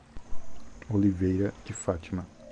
Oliveira de Fátima